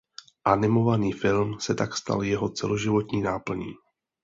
Animovaný film se tak stal jeho celoživotní náplní.